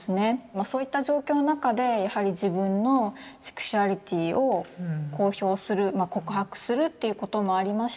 そういった状況の中でやはり自分のセクシュアリティーを公表する告白するということもありまして